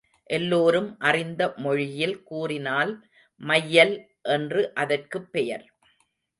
எல்லோரும் அறிந்த மொழியில் கூறினால் மையல் என்று அதற்குப் பெயர்.